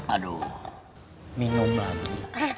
aduh minum lagi